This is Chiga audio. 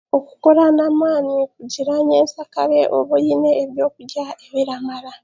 Okukora n'amaani kugira nyensyakare obe oine ebyokurya biramara